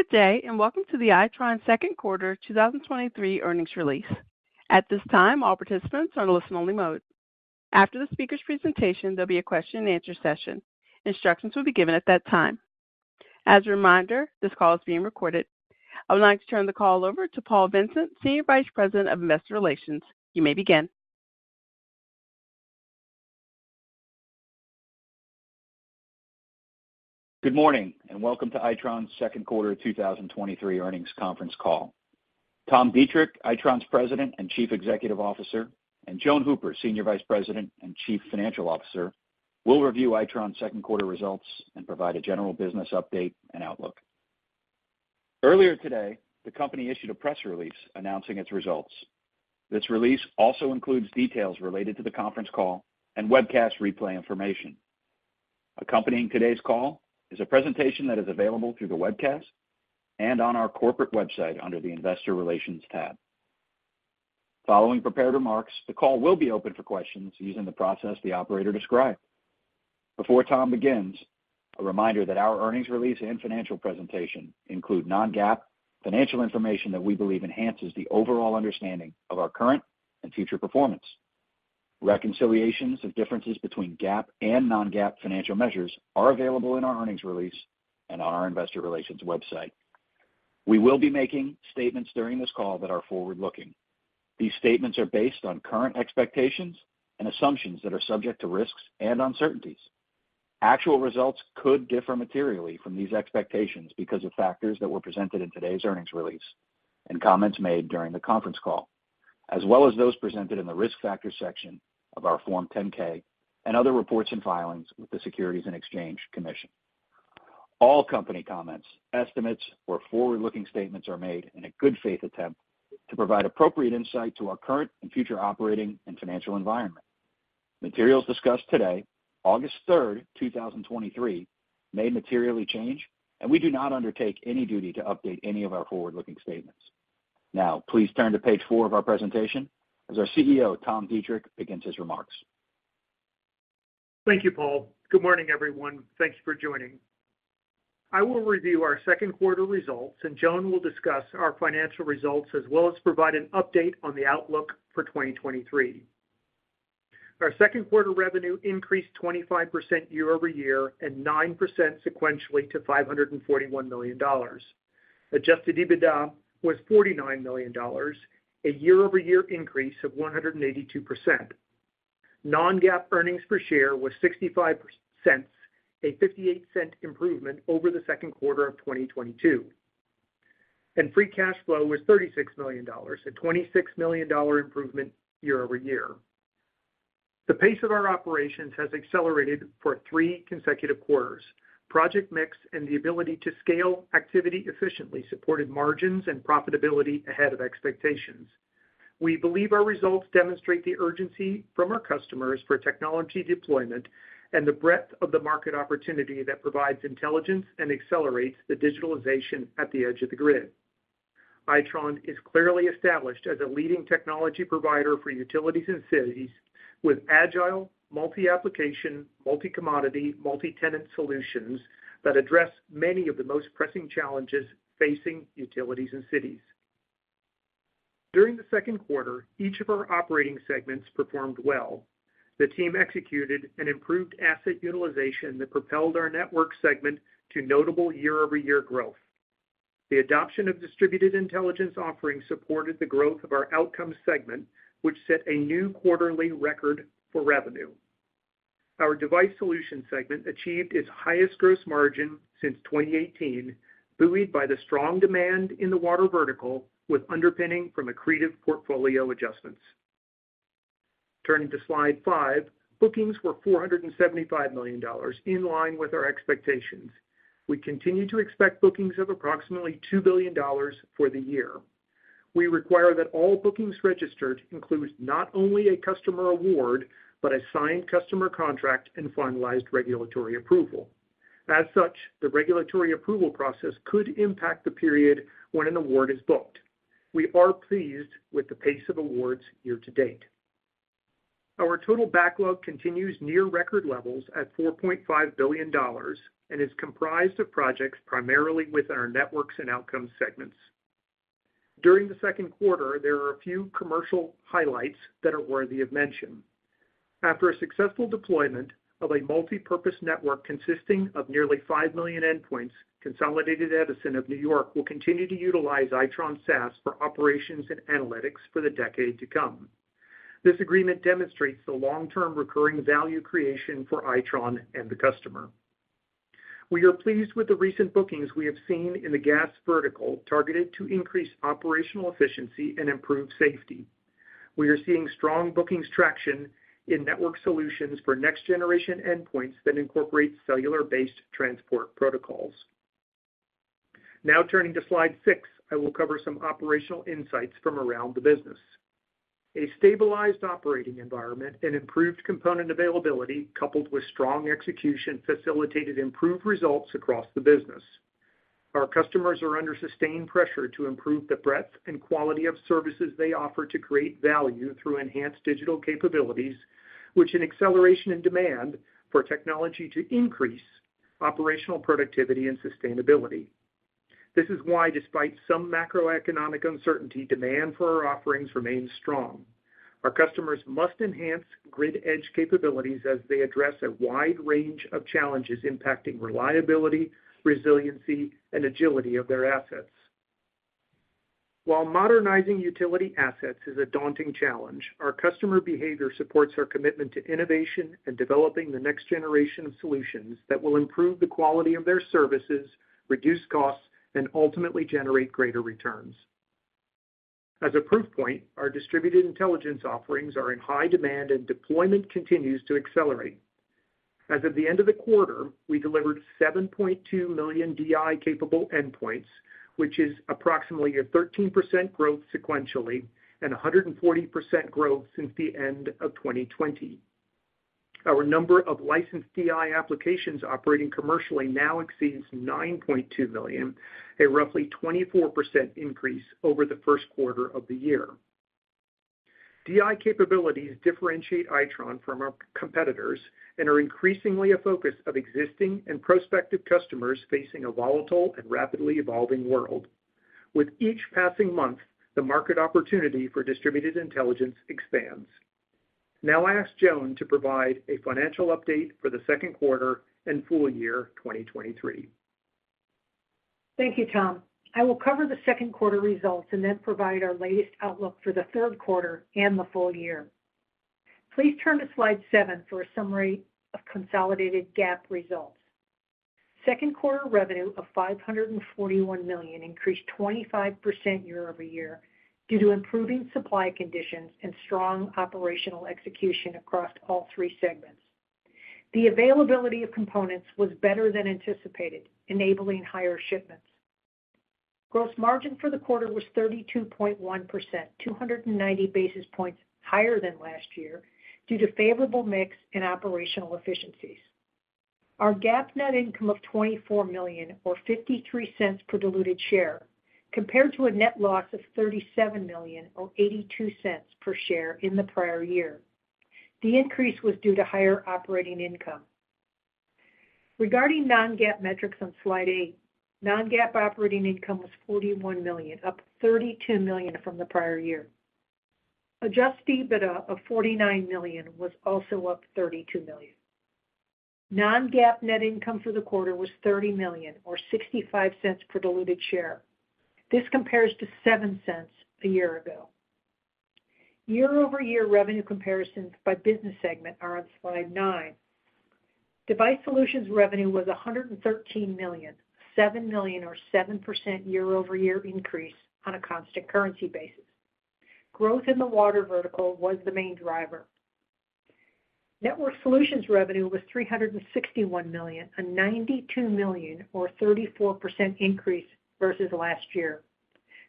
Good day, welcome to the Itron second quarter 2023 earnings release. At this time, all participants are in listen-only mode. After the speaker's presentation, there'll be a question-and-answer session. Instructions will be given at that time. As a reminder, this call is being recorded. I would like to turn the call over to Paul Vincent, Senior Vice President of Investor Relations. You may begin. Good morning, and welcome to Itron's second quarter of 2023 earnings conference call. Tom Deitrich, Itron's President and Chief Executive Officer, and Joan Hooper, Senior Vice President and Chief Financial Officer, will review Itron's second quarter results and provide a general business update and outlook. Earlier today, the company issued a press release announcing its results. This release also includes details related to the conference call and webcast replay information. Accompanying today's call is a presentation that is available through the webcast and on our corporate website under the Investor Relations tab. Following prepared remarks, the call will be open for questions using the process the operator described. Before Tom begins, a reminder that our earnings release and financial presentation include non-GAAP financial information that we believe enhances the overall understanding of our current and future performance. Reconciliations of differences between GAAP and non-GAAP financial measures are available in our earnings release and on our investor relations website. We will be making statements during this call that are forward-looking. These statements are based on current expectations and assumptions that are subject to risks and uncertainties. Actual results could differ materially from these expectations because of factors that were presented in today's earnings release and comments made during the conference call, as well as those presented in the Risk Factors section of our Form 10-K and other reports and filings with the Securities and Exchange Commission. All company comments, estimates, or forward-looking statements are made in a good-faith attempt to provide appropriate insight to our current and future operating and financial environment. Materials discussed today, August 3, 2023, may materially change. We do not undertake any duty to update any of our forward-looking statements. Now, please turn to Page 4 of our presentation as our CEO, Tom Deitrich, begins his remarks. Thank you, Paul. Good morning, everyone. Thanks for joining. I will review our second quarter results, and Joan will discuss our financial results as well as provide an update on the outlook for 2023. Our second quarter revenue increased 25% year-over-year and 9% sequentially to $541 million. Adjusted EBITDA was $49 million, a year-over-year increase of 182%. Non-GAAP earnings per share was $0.65, a $0.58 improvement over the second quarter of 2022, and free cash flow was $36 million, a $26 million improvement year-over-year. The pace of our operations has accelerated for three consecutive quarters. Project mix and the ability to scale activity efficiently supported margins and profitability ahead of expectations. We believe our results demonstrate the urgency from our customers for technology deployment and the breadth of the market opportunity that provides intelligence and accelerates the digitalization at the edge of the grid. Itron is clearly established as a leading technology provider for utilities and cities with agile, multi-application, multi-commodity, multi-tenant solutions that address many of the most pressing challenges facing utilities and cities. During the second quarter, each of our operating segments performed well. The team executed an improved asset utilization that propelled our Network segment to notable year-over-year growth. The adoption of Distributed Intelligence offerings supported the growth of our Outcomes segment, which set a new quarterly record for revenue. Our Device Solutions segment achieved its highest gross margin since 2018, buoyed by the strong demand in the water vertical, with underpinning from accretive portfolio adjustments. Turning to Slide 5. Bookings were $475 million, in line with our expectations. We continue to expect bookings of approximately $2 billion for the year. We require that all bookings registered include not only a customer award, but a signed customer contract and finalized regulatory approval. As such, the regulatory approval process could impact the period when an award is booked. We are pleased with the pace of awards year-to-date. Our total backlog continues near record levels at $4.5 billion and is comprised of projects primarily with our Networks and Outcomes segments. During the second quarter, there are a few commercial highlights that are worthy of mention. After a successful deployment of a multipurpose network consisting of nearly 5 million endpoints, Consolidated Edison of New York will to utilize Itron SaaS for operations and analytics for the decade to come. This agreement demonstrates the long-term recurring value creation for Itron and the customer. We are pleased with the recent bookings we have seen in the gas vertical, targeted to increase operational efficiency and improve safety. We are seeing strong bookings traction in Networked Solutions for next-generation endpoints that incorporate cellular-based transport protocols. Turning to Slide 6, I will cover some operational insights from around the business. A stabilized operating environment and improved component availability, coupled with strong execution, facilitated improved results across the business. Our customers are under sustained pressure to improve the breadth and quality of services they offer to create value through enhanced digital capabilities, which an acceleration in demand for technology to increase operational productivity and sustainability. This is why, despite some macroeconomic uncertainty, demand for our offerings remains strong. Our customers must enhance grid edge capabilities as they address a wide range of challenges impacting reliability, resiliency, and agility of their assets. While modernizing utility assets is a daunting challenge, our customer behavior supports our commitment to innovation and developing the next generation of solutions that will improve the quality of their services, reduce costs, and ultimately generate greater returns. As a proof point, our Distributed Intelligence offerings are in high demand, and deployment continues to accelerate. As of the end of the quarter, we delivered 7.2 million DI-capable endpoints, which is approximately a 13% growth sequentially and a 140% growth since the end of 2020. Our number of licensed DI applications operating commercially now exceeds 9.2 million, a roughly 24% increase over the first quarter of the year. DI capabilities differentiate Itron from our competitors and are increasingly a focus of existing and prospective customers facing a volatile and rapidly evolving world. With each passing month, the market opportunity for Distributed Intelligence expands. Now I ask Joan to provide a financial update for the second quarter and full-year 2023. Thank you, Tom. I will cover the second quarter results and then provide our latest outlook for the third quarter and the full-year. Please turn to Slide 7 for a summary of consolidated GAAP results. Second quarter revenue of $541 million increased 25% year-over-year due to improving supply conditions and strong operational execution across all three segments. The availability of components was better than anticipated, enabling higher shipments. Gross margin for the quarter was 32.1%, 290 basis points higher than last year due to favorable mix and operational efficiencies. Our GAAP net income of $24 million, or $0.53 per diluted share, compared to a net loss of $37 million, or $0.82 per share in the prior year. The increase was due to higher operating income. Regarding non-GAAP metrics on Slide A, non-GAAP operating income was $41 million, up $32 million from the prior year. Adjusted EBITDA of $49 million was also up $32 million. Non-GAAP net income for the quarter was $30 million, or $0.65 per diluted share. This compares to $0.07 a year ago. Year-over-year revenue comparisons by business segment are on Slide 9. Device Solutions revenue was $113 million, $7 million, or 7% year-over-year increase on a constant currency basis. Growth in the water vertical was the main driver. Networked Solutions revenue was $361 million, a $92 million, or 34% increase versus last year.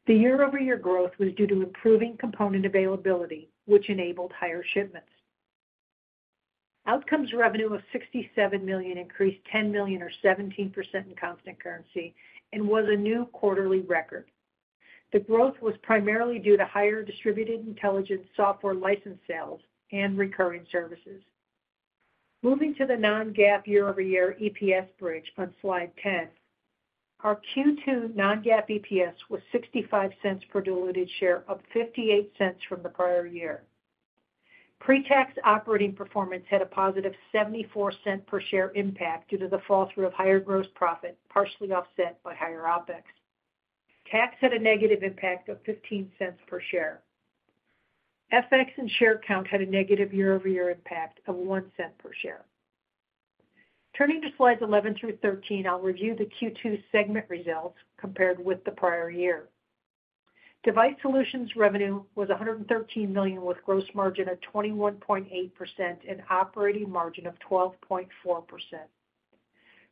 The year-over-year growth was due to improving component availability, which enabled higher shipments. Outcomes revenue of $67 million increased $10 million, or 17% in constant currency, and was a new quarterly record. The growth was primarily due to higher Distributed Intelligence software license sales and recurring services. Moving to the non-GAAP year-over-year EPS bridge on Slide 10. Our Q2 non-GAAP EPS was $0.65 per diluted share, up $0.58 from the prior year. Pre-tax operating performance had a positive $0.74 per share impact due to the fall through of higher gross profit, partially offset by higher OpEx. Tax had a negative impact of $0.15 per share. FX and share count had a negative year-over-year impact of $0.01 per share. Turning to Slides 11 through 13, I'll review the Q2 segment results compared with the prior year. Device Solutions revenue was $113 million, with gross margin at 21.8% and operating margin of 12.4%.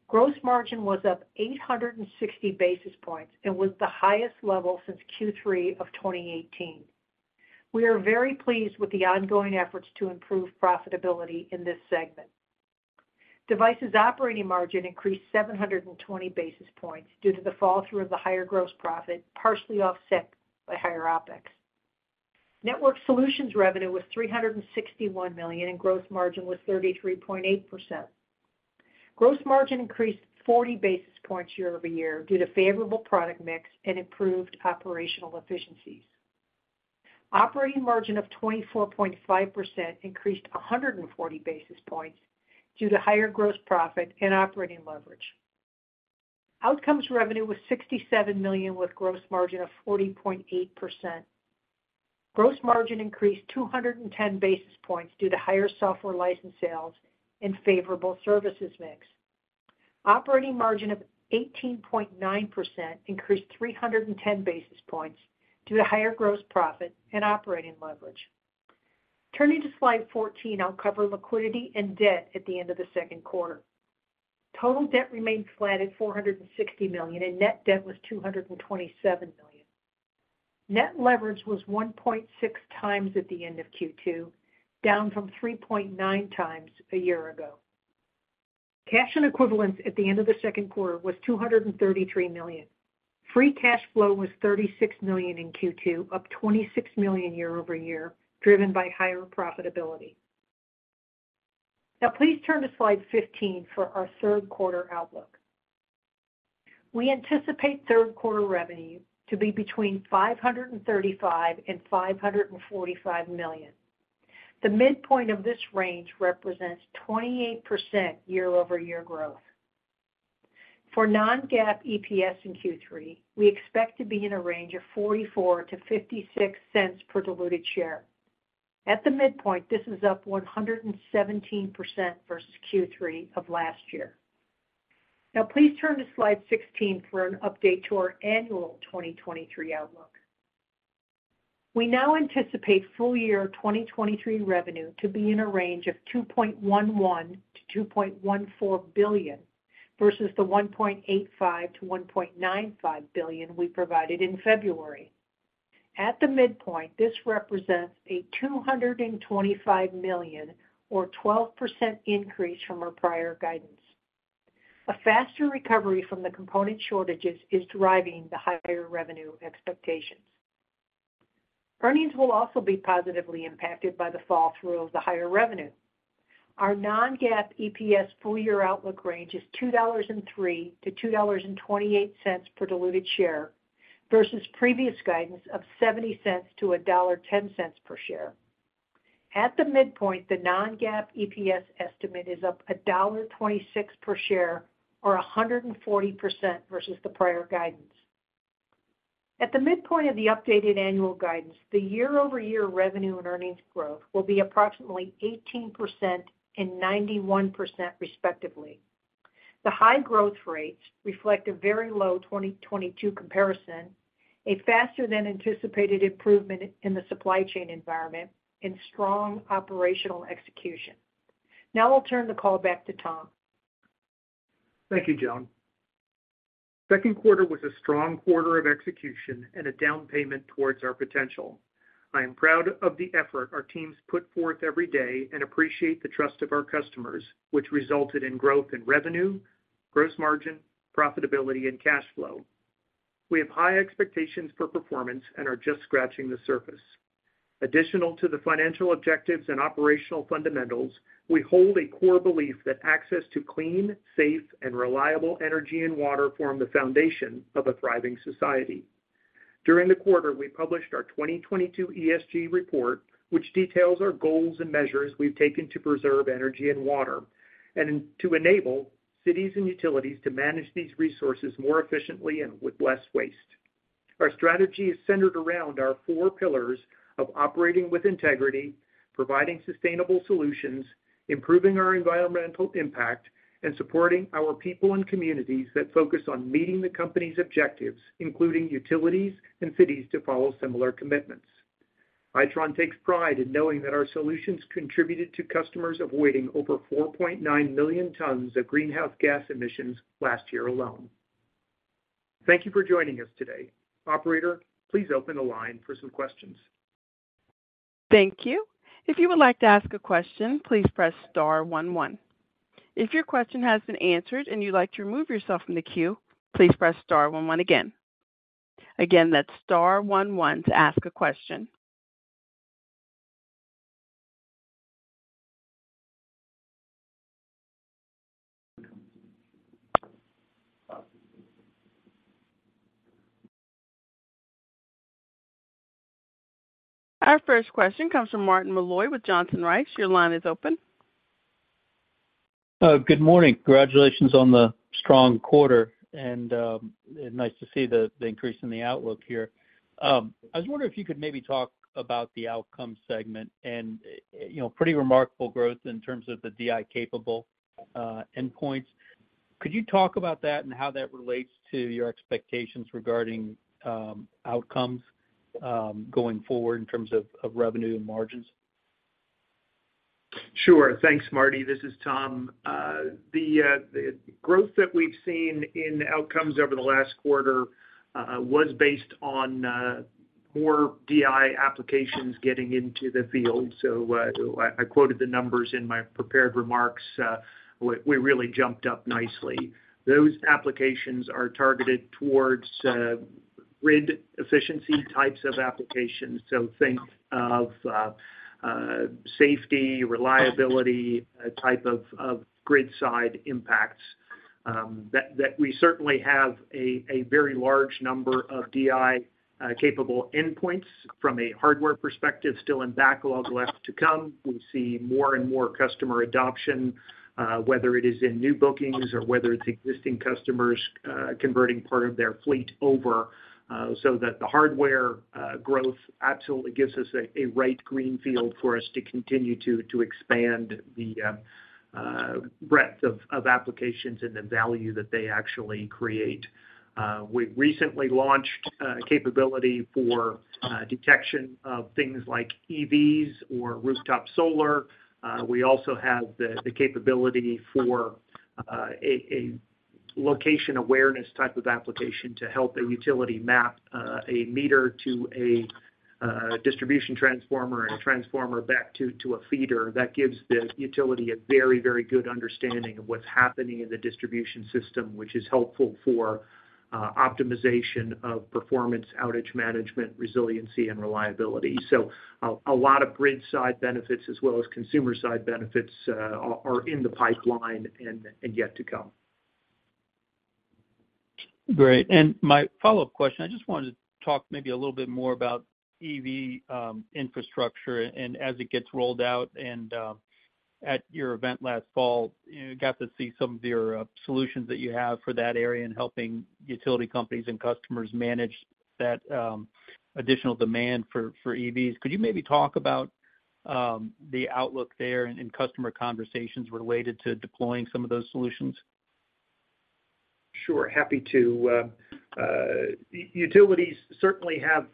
Gross margin was up 860 basis points and was the highest level since Q3 of 2018. We are very pleased with the ongoing efforts to improve profitability in this segment. Devices operating margin increased 720 basis points due to the fall through of the higher gross profit, partially offset by higher OpEx. Networked Solutions revenue was $361 million, and gross margin was 33.8%. Gross margin increased 40 basis points year-over-year due to favorable product mix and improved operational efficiencies. Operating margin of 24.5% increased 140 basis points due to higher gross profit and operating leverage. Outcomes revenue was $67 million, with gross margin of 40.8%. Gross margin increased 210 basis points due to higher software license sales and favorable services mix. Operating margin of 18.9% increased 310 basis points due to higher gross profit and operating leverage. Turning to Slide 14, I'll cover liquidity and debt at the end of the second quarter. Total debt remained flat at $460 million, and net debt was $227 million. Net leverage was 1.6x at the end of Q2, down from 3.9x a year ago. Cash and equivalents at the end of the second quarter was $233 million. Free cash flow was $36 million in Q2, up $26 million year-over-year, driven by higher profitability. Now, please turn to Slide 15 for our third quarter outlook. We anticipate third quarter revenue to be between $535 million and $545 million. The midpoint of this range represents 28% year-over-year growth. For non-GAAP EPS in Q3, we expect to be in a range of $0.44-$0.56 per diluted share. At the midpoint, this is up 117% versus Q3 of last year. Please turn to Slide 16 for an update to our annual 2023 outlook. We now anticipate full-year 2023 revenue to be in a range of $2.11 billion-$2.14 billion, versus the $1.85 billion-$1.95 billion we provided in February. At the midpoint, this represents a $225 million or 12% increase from our prior guidance. A faster recovery from the component shortages is driving the higher revenue expectations. Earnings will also be positively impacted by the fall through of the higher revenue. Our non-GAAP EPS full year outlook range is $2.03-$2.28 per diluted share, versus previous guidance of $0.70-$1.10 per share. At the midpoint, the non-GAAP EPS estimate is up $1.26 per share or 140% versus the prior guidance. At the midpoint of the updated annual guidance, the year-over-year revenue and earnings growth will be approximately 18% and 91%, respectively. The high growth rates reflect a very low 2022 comparison, a faster than anticipated improvement in the supply chain environment, and strong operational execution. Now I'll turn the call back to Tom. Thank you, Joan. Second quarter was a strong quarter of execution and a down payment towards our potential. I am proud of the effort our teams put forth every day and appreciate the trust of our customers, which resulted in growth in revenue, gross margin, profitability, and cash flow. We have high expectations for performance and are just scratching the surface. Additional to the financial objectives and operational fundamentals, we hold a core belief that access to clean, safe, and reliable energy and water form the foundation of a thriving society. During the quarter, we published our 2022 ESG report, which details our goals and measures we've taken to preserve energy and water, and to enable cities and utilities to manage these resources more efficiently and with less waste. Our strategy is centered around our four pillars of operating with integrity, providing sustainable solutions, improving our environmental impact, and supporting our people and communities that focus on meeting the company's objectives, including utilities and cities, to follow similar commitments. Itron takes pride in knowing that our solutions contributed to customers avoiding over 4.9 million tons of greenhouse gas emissions last year alone. Thank you for joining us today. Operator, please open the line for some questions. Thank you. If you would like to ask a question, please press Star one, one. If your question has been answered and you'd like to remove yourself from the queue, please press Star one, one again. Again, that's Star one, one to ask a question. Our first question comes from Martin Malloy with Johnson Rice. Your line is open. Good morning. Congratulations on the strong quarter, and nice to see the, the increase in the outlook here. I was wondering if you could maybe talk about the Outcomes segment and, you know, pretty remarkable growth in terms of the DI-capable endpoints. Could you talk about that and how that relates to your expectations regarding Outcomes going forward in terms of, of revenue and margins? Sure. Thanks, Martin. This is Tom. The growth that we've seen in Outcomes over the last quarter was based on more DI applications getting into the field. I quoted the numbers in my prepared remarks, we really jumped up nicely. Those applications are targeted towards grid efficiency types of applications. Think of safety, reliability, type of, of grid side impacts, that, that we certainly have a very large number of DI-capable endpoints from a hardware perspective, still in backlog left to come. We see more and more customer adoption, whether it is in new bookings or whether it's existing customers, converting part of their fleet over, so that the hardware growth absolutely gives us a, a right green field for us to continue to, to expand the breadth of, of applications and the value that they actually create. We recently launched a capability for detection of things like EVs or rooftop solar. We also have the, the capability for a, a location awareness type of application to help a utility map a meter to a distribution transformer and a transformer back to, to a feeder. That gives the utility a very, very good understanding of what's happening in the distribution system, which is helpful for optimization of performance, outage management, resiliency, and reliability. A lot of grid side benefits as well as consumer side benefits, are in the pipeline and yet to come. Great. My follow-up question, I just wanted to talk maybe a little bit more about EV infrastructure and as it gets rolled out. At your event last fall, you got to see some of your solutions that you have for that area in helping utility companies and customers manage that additional demand for, for EVs. Could you maybe talk about the outlook there and customer conversations related to deploying some of those solutions? Sure, happy to. Utilities certainly have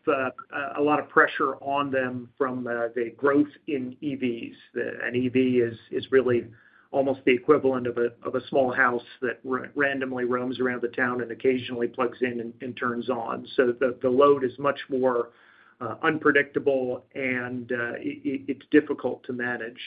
a lot of pressure on them from the growth in EVs. An EV is, is really almost the equivalent of a, of a small house that randomly roams around the town and occasionally plugs in and, and turns on. The load is much more unpredictable, and it's difficult to manage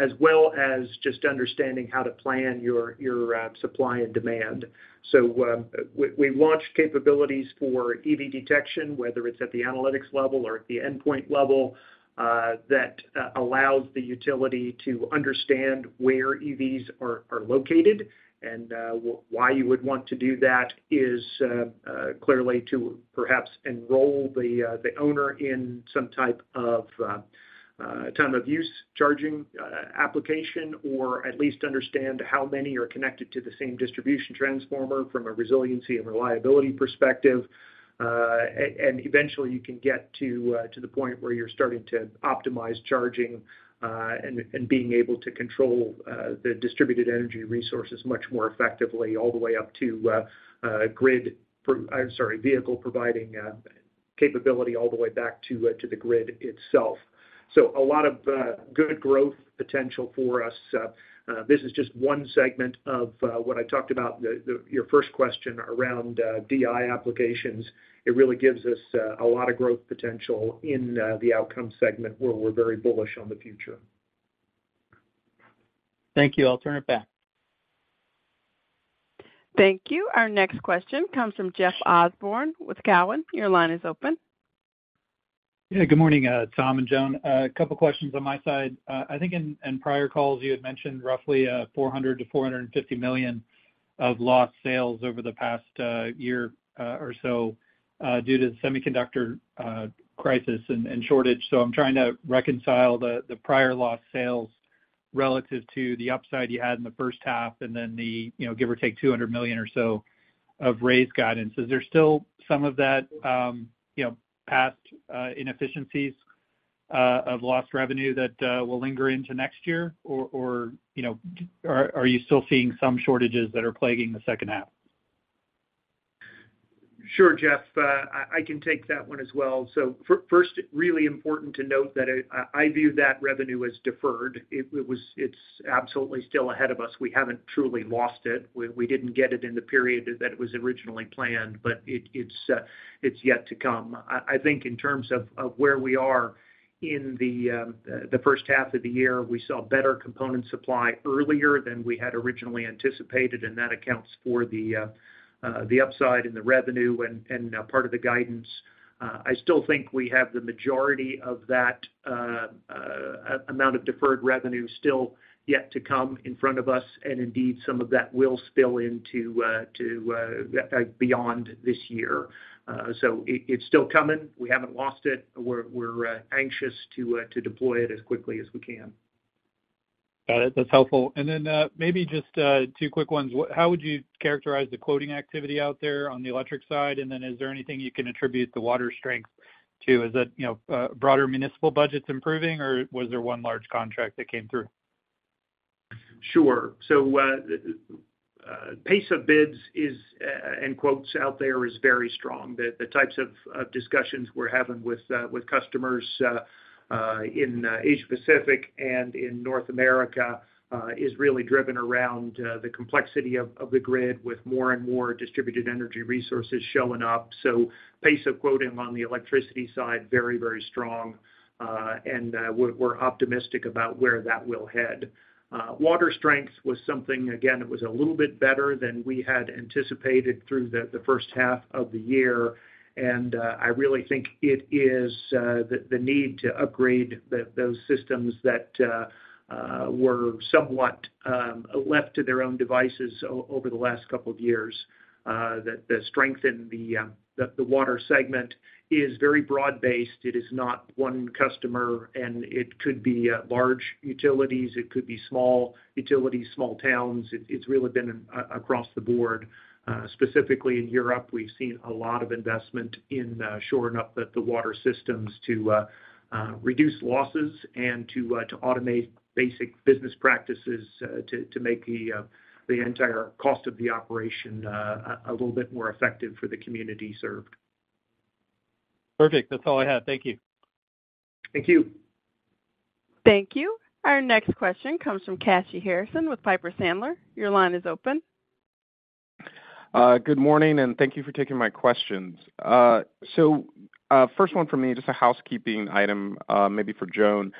as well as just understanding how to plan your, your supply and demand. We launched capabilities for EV detection, whether it's at the analytics level or at the endpoint level, that allows the utility to understand where EVs are, are located. Why you would want to do that is clearly to perhaps enroll the owner in some type of time-of-use charging application, or at least understand how many are connected to the same distribution transformer from a resiliency and reliability perspective. Eventually, you can get to the point where you're starting to optimize charging and being able to control the distributed energy resources much more effectively, all the way up to grid, I'm sorry, vehicle providing capability all the way back to the grid itself. A lot of good growth potential for us. This is just one segment of what I talked about, the, your first question around DI applications. It really gives us a lot of growth potential in the Outcomes segment, where we're very bullish on the future. Thank you. I'll turn it back. Thank you. Our next question comes from Jeff Osborne with Cowen. Your line is open. Yeah, good morning, Tom and Joan. A couple questions on my side. I think in, in prior calls, you had mentioned roughly $400 million-$450 million of lost sales over the past year or so due to the semiconductor crisis and shortage. I'm trying to reconcile the prior lost sales relative to the upside you had in the first half, and then the, you know, give or take $200 million or so of raised guidance. Is there still some of that, you know, past inefficiencies of lost revenue that will linger into next year? Or, or, you know, are, are you still seeing some shortages that are plaguing the second half? Sure, Jeff, I, I can take that one as well. First, really important to note that I, I view that revenue as deferred. It, it's absolutely still ahead of us. We haven't truly lost it. We, we didn't get it in the period that it was originally planned, but it, it's yet to come. I, I think in terms of, of where we are in the first half of the year, we saw better component supply earlier than we had originally anticipated, and that accounts for the upside in the revenue and, and part of the guidance. I still think we have the majority of that amount of deferred revenue still yet to come in front of us, and indeed, some of that will spill into to beyond this year. It, it's still coming. We haven't lost it. We're, we're anxious to deploy it as quickly as we can. Got it. That's helpful. Then, maybe just 2 quick ones. How would you characterize the quoting activity out there on the electric side? Then, is there anything you can attribute the water strength to? Is that, you know, broader municipal budgets improving, or was there 1 large contract that came through? Sure. Pace of bids is and quotes out there is very strong. The, the types of, of discussions we're having with customers in Asia Pacific and in North America is really driven around the complexity of, of the grid, with more and more distributed energy resources showing up. Pace of quoting on the electricity side, very, very strong. We're, we're optimistic about where that will head. Water strength was something, again, it was a little bit better than we had anticipated through the, the first half of the year, and I really think it is the need to upgrade the, those systems that were somewhat left to their own devices over the last couple of years. The, the strength in the, the Water segment is very broad-based. It is not one customer. It could be large utilities, it could be small utilities, small towns. It's really been across the board. Specifically in Europe, we've seen a lot of investment in shoring up the water systems to reduce losses and to automate basic business practices to make the entire cost of the operation a little bit more effective for the community served. Perfect. That's all I had. Thank you. Thank you. Thank you. Our next question comes from Kashy Harrison with Piper Sandler. Your line is open. Good morning, and thank you for taking my questions. First one for me, just a housekeeping item, maybe for Joan.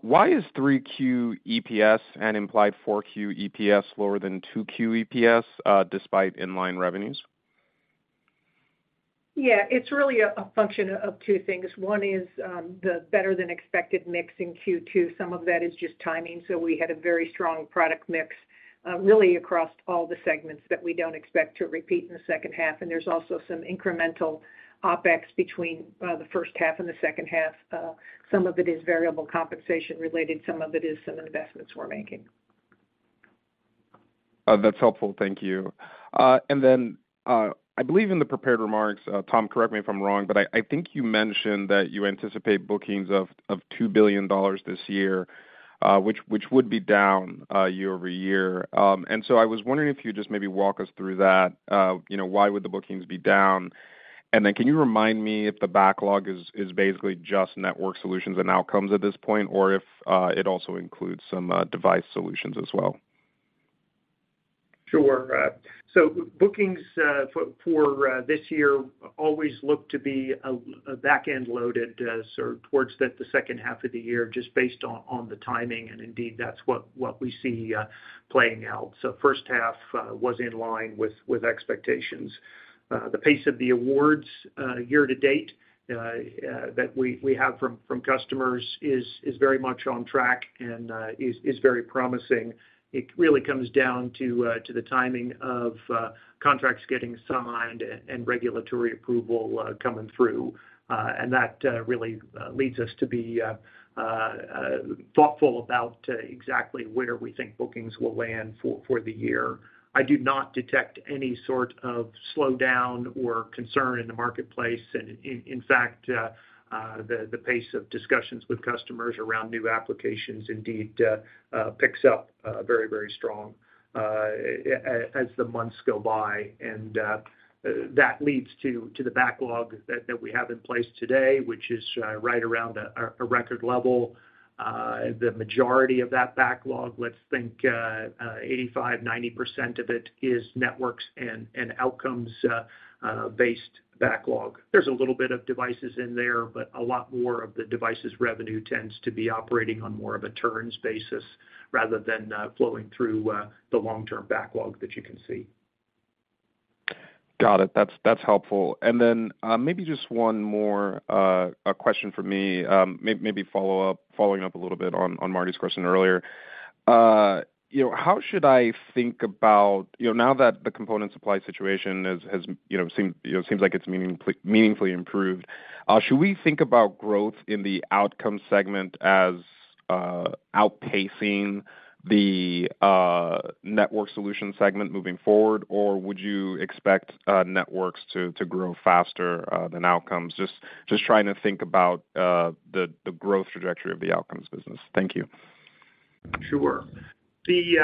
Why is 3Q EPS and implied 4Q EPS lower than 2Q EPS, despite in-line revenues? Yeah, it's really a, a function of 2 things. One is the better-than-expected mix in Q2. Some of that is just timing, so we had a very strong product mix, really across all the segments that we don't expect to repeat in the second half. There's also some incremental OpEx between the first half and the second half. Some of it is variable compensation related, some of it is some investments we're making. That's helpful. Thank you. I believe in the prepared remarks, Tom, correct me if I'm wrong, but I think you mentioned that you anticipate bookings of $2 billion this year, which would be down year-over-year. I was wondering if you'd just maybe walk us through that. You know, why would the bookings be down? Then, can you remind me if the backlog is basically just Networked Solutions and Outcomes at this point, or if it also includes some Device Solutions as well? Sure. Bookings for this year always look to be a back-end loaded, so towards the second half of the year, just based on the timing, and indeed, that's what we see playing out. First half was in line with expectations. The pace of the awards year-to-date that we have from customers is very much on track and is very promising. It really comes down to the timing of contracts getting signed and regulatory approval coming through. That really leads us to be thoughtful about exactly where we think bookings will land for the year. I do not detect any sort of slowdown or concern in the marketplace. In, in fact, the pace of discussions with customers around new applications indeed picks up very, very strong as the months go by. That leads to the backlog that we have in place today, which is right around a record level. The majority of that backlog, let's think, 85%-90% of it is Networked Solutions and Outcomes based backlog. There's a little bit of Device Solutions in there, but a lot more of the Device Solutions' revenue tends to be operating on more of a turns basis rather than flowing through the long-term backlog that you can see. Got it. That's, that's helpful. Maybe just one more question from me, following up a little bit on, on Martin's question earlier. You know, how should I think about... You know, now that the component supply situation has, has, you know, seem, you know, seems like it's meaningfully improved, should we think about growth in the Outcomes segment as outpacing the Networked Solutions segment moving forward? Would you expect Networks to, to grow faster than Outcomes? Just, just trying to think about the, the growth trajectory of the Outcomes business. Thank you. Sure. The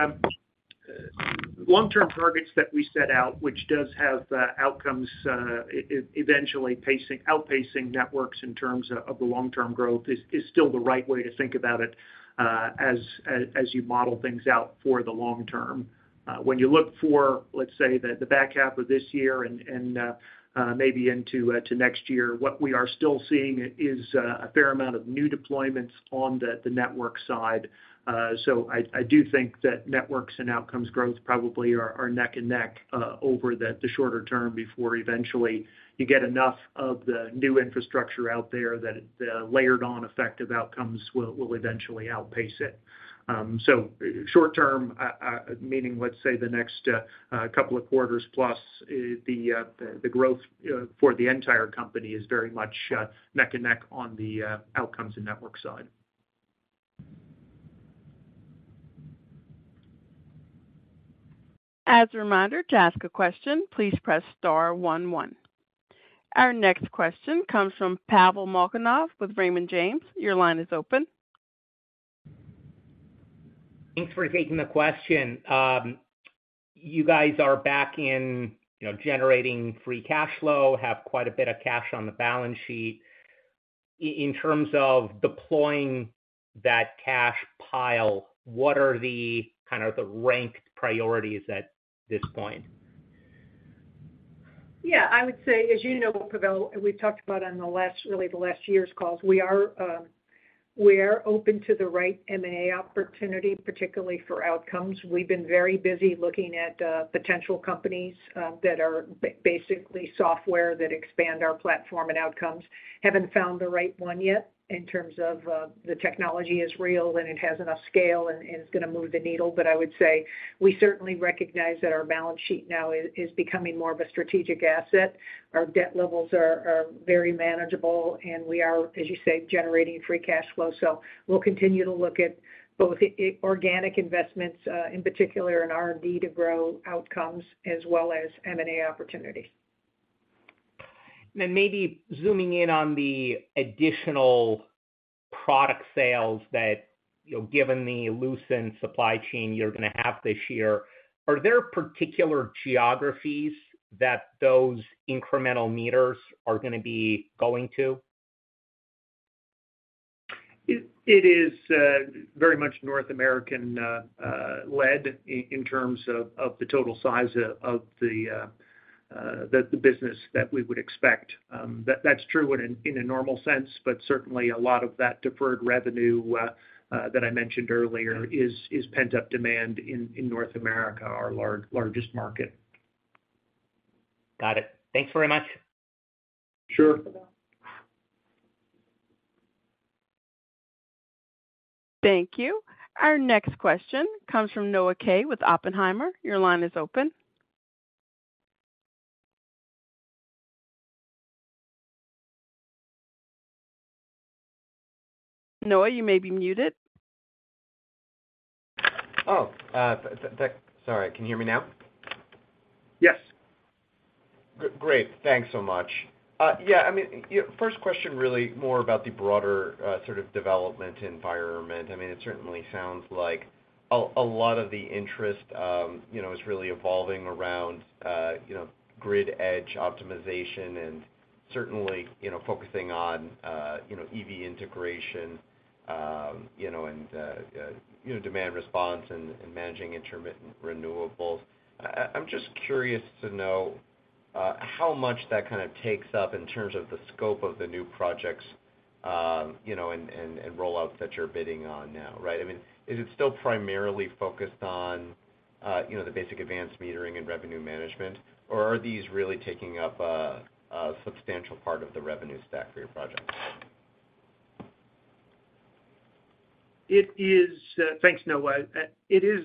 long-term targets that we set out, which does have Outcomes eventually pacing, outpacing Networks in terms of, of the long-term growth, is still the right way to think about it as you model things out for the long-term. When you look for, let's say, the back half of this year and, and maybe into next year, what we are still seeing is a fair amount of new deployments on the network side. I, I do think that Networks and Outcomes growth probably are neck and neck over the shorter-term before eventually you get enough of the new infrastructure out there that the layered on effect of Outcomes will eventually outpace it. Short-term, meaning, let's say, the next, 2 quarters, plus, the, the, the growth, for the entire company is very much, neck and neck on the, Outcomes and Network side. As a reminder, to ask a question, please press Star one, one. Our next question comes from Pavel Molchanov with Raymond James. Your line is open. Thanks for taking the question. You guys are back in, you know, generating free cash flow, have quite a bit of cash on the balance sheet. In terms of deploying that cash pile, what are the kind of the ranked priorities at this point? Yeah, I would say, as you know, Pavel, we've talked about on the last, really the last year's calls, we are open to the right M&A opportunity, particularly for Outcomes. We've been very busy looking at potential companies that are basically software that expand our Platform and Outcomes. Haven't found the right one yet in terms of the technology is real, and it has enough scale and it's gonna move the needle. I would say we certainly recognize that our balance sheet now is becoming more of a strategic asset. Our debt levels are very manageable, and we are, as you say, generating free cash flow. We'll continue to look at both organic investments, in particular, in R&D to grow Outcomes, as well as M&A opportunities. Maybe zooming in on the additional product sales that, you know, given the loosened supply chain you're gonna have this year, are there particular geographies that those incremental meters are gonna be going to? It, it is very much North American led in terms of, of the total size of the, the business that we would expect. That's true in a, in a normal sense, but certainly a lot of that deferred revenue that I mentioned earlier is, is pent-up demand in, in North America, our largest market. Got it. Thanks very much. Sure. Thank you. Our next question comes from Noah Kaye with Oppenheimer. Your line is open. Noah, you may be muted. Oh, sorry, can you hear me now? Yes. Great. Thanks so much. Yeah, I mean, your first question, really more about the broader, sort of development environment. I mean, it certainly sounds like a lot of the interest, you know, is really evolving around, you know, grid edge optimization, and certainly, you know, focusing on, you know, EV integration, you know, and, you know, demand response and managing intermittent renewables. I, I'm just curious to know how much that kind of takes up in terms of the scope of the new projects, you know, and, and roll-outs that you're bidding on now, right? I mean, is it still primarily focused on, you know, the basic advanced metering and revenue management, or are these really taking up a substantial part of the revenue stack for your projects? It is. Thanks, Noah. It is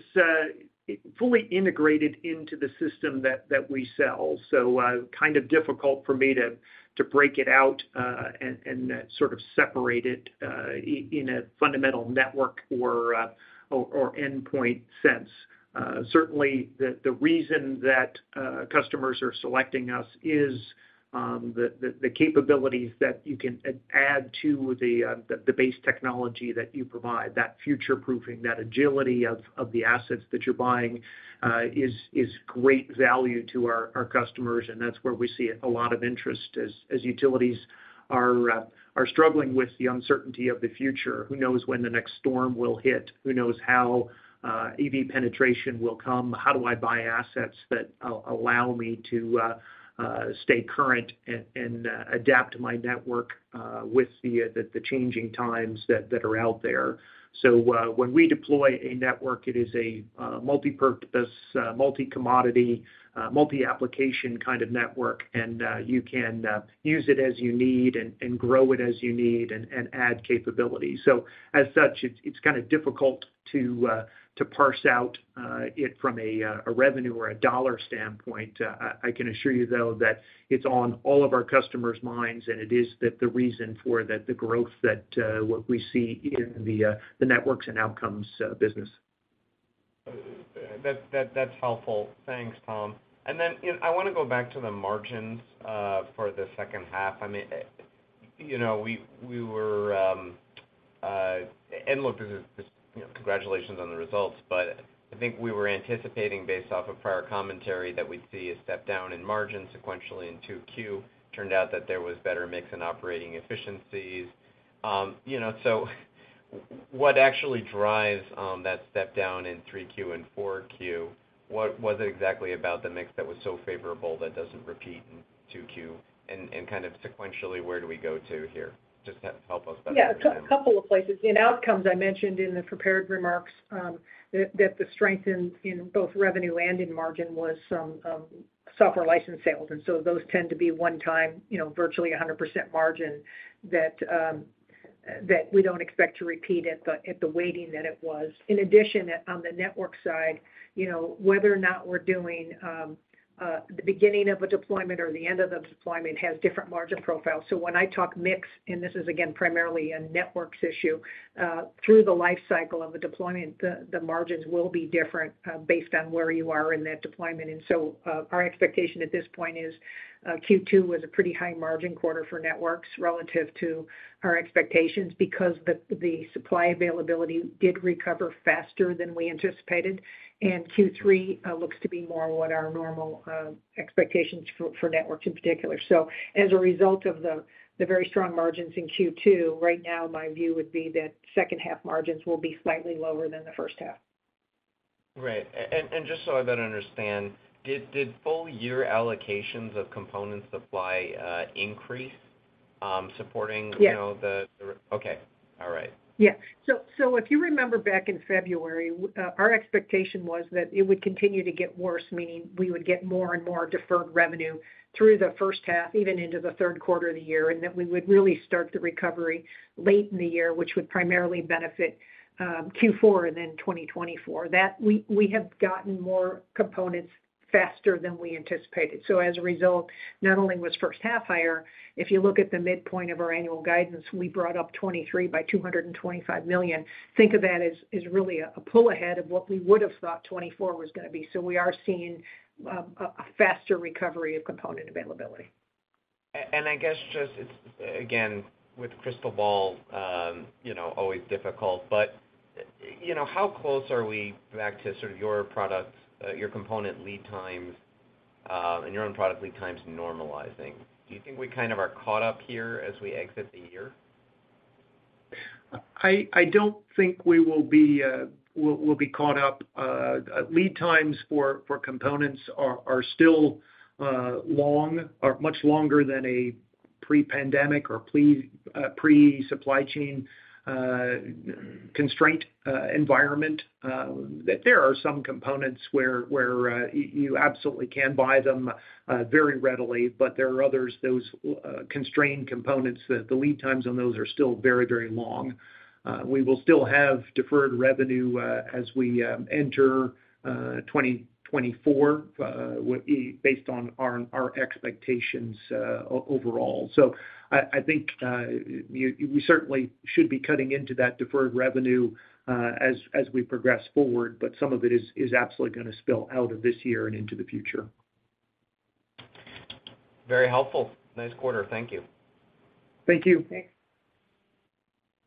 fully integrated into the system that we sell. Kind of difficult for me to break it out and, and sort of separate it in a fundamental network or, or endpoint sense. Certainly, the reason that customers are selecting us is the capabilities that you can add to the base technology that you provide, that future-proofing, that agility of the assets that you're buying, is great value to our customers, and that's where we see a lot of interest as utilities are struggling with the uncertainty of the future. Who knows when the next storm will hit? Who knows how EV penetration will come? How do I buy assets that allow me to stay current and, and adapt my network with the, the changing times that, that are out there? When we deploy a network, it is a multipurpose, multi-commodity, multi-application kind of network, and you can use it as you need and grow it as you need and add capability. As such, it's kind of difficult to parse out it from a revenue or a dollar standpoint. I can assure you, though, that it's on all of our customers' minds, and it is that the reason for that, the growth that what we see in the Networks and Outcomes business. That, that, that's helpful. Thanks, Tom. Then, you know, I wanna go back to the margins for the second half. I mean, you know, we, we were. Look, this is, you know, congratulations on the results, but I think we were anticipating, based off of prior commentary, that we'd see a step down in margins sequentially in 2Q. Turned out that there was better mix and operating efficiencies. You know, so what actually drives that step down in 3Q and 4Q? What was it exactly about the mix that was so favorable that doesn't repeat in 2Q? And, and kind of sequentially, where do we go to here? Just help us about. A couple of places. In Outcomes, I mentioned in the prepared remarks, that, that the strength in, in both revenue and in margin was some software license sales, and those tend to be 1 time, you know, virtually a 100% margin that we don't expect to repeat at the, at the weighting that it was. In addition, on the Network side, you know, whether or not we're doing, the beginning of a deployment or the end of the deployment has different margin profiles. When I talk mix, and this is, again, primarily a networks issue, through the life cycle of a deployment, the, the margins will be different, based on where you are in that deployment. Our expectation at this point is, Q2 was a pretty high margin quarter for networks relative to our expectations because the supply availability did recover faster than we anticipated, and Q3 looks to be more what our normal expectations for networks in particular. As a result of the very strong margins in Q2, right now, my view would be that second half margins will be slightly lower than the first half. Right. Just so I better understand, did full year allocations of component supply increase, supporting- Yes. you know, Okay. All right. Yeah. If you remember back in February, our expectation was that it would continue to get worse, meaning we would get more and more deferred revenue through the first half, even into the third quarter of the year, and that we would really start the recovery late in the year, which would primarily benefit Q4 and then 2024. That we, we have gotten more components faster than we anticipated. As a result, not only was first half higher, if you look at the midpoint of our annual guidance, we brought up 2023 by $225 million. Think of that as, as really a, a pull ahead of what we would have thought 2024 was gonna be. We are seeing a faster recovery of component availability. I guess, just, it's, again, with crystal ball, you know, always difficult, but, you know, how close are we back to sort of your products, your component lead times, and your own product lead times normalizing? Do you think we kind of are caught up here as we exit the year? I, I don't think we will be, we'll, we'll be caught up. Lead times for components are still long, or much longer than a pre-pandemic or pre-supply chain constraint environment. There are some components where, where, you, you absolutely can buy them very readily, but there are others, those constrained components, the lead times on those are still very, very long. We will still have deferred revenue as we enter 2024, based on our expectations overall. I, I think, you, we certainly should be cutting into that deferred revenue as we progress forward, but some of it is absolutely gonna spill out of this year and into the future. Very helpful. Nice quarter. Thank you. Thank you. Thanks.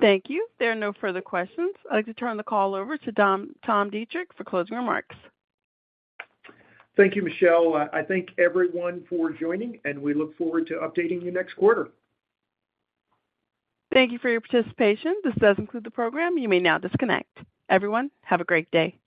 Thank you. There are no further questions. I'd like to turn the call over to Tom Deitrich for closing remarks. Thank you, Michelle. I thank everyone for joining, and we look forward to updating you next quarter. Thank you for your participation. This does conclude the program. You may now disconnect. Everyone, have a great day.